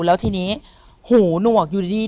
แล้วทีนี้หูหนวกอยู่ดี